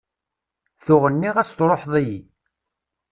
Tuɣ nniɣ-as truḥeḍ-iyi.